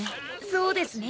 そうですね。